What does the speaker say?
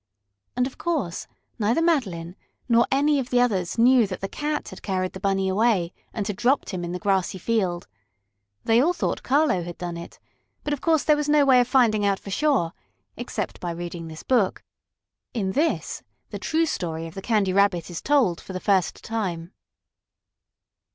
And of course neither Madeline nor any of the others knew that the cat had carried the Bunny away and had dropped him in the grassy field. They all thought Carlo had done it, but of course there was no way of finding out for sure, except by reading this book. In this the true story of the Candy Rabbit is told for the first time.